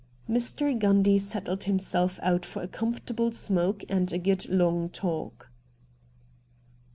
Mr. Gundy settled himself out for a comfortable smoke and a good long talk.